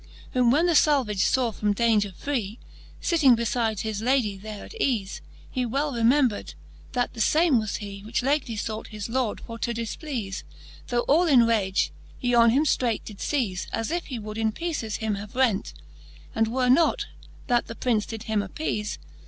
XL. Whom when the Salvage faw from daunger free. Sitting befide his Ladie there at eafe, He well remembred, that the fame was hee, Which lately fought his Lord for to difpleafe : Tho all in rage, he on him ftreight did ftaze. As if he would in peeces him have rent ; And were not that the Prince did him appeaze.